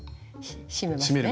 締めますね。